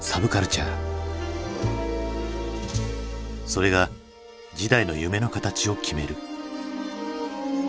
それが次代の夢の形を決める。